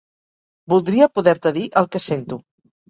Voldria poder-te dir el que sento.